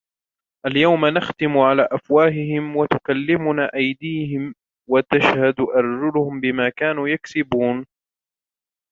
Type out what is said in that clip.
اليوم نختم على أفواههم وتكلمنا أيديهم وتشهد أرجلهم بما كانوا يكسبون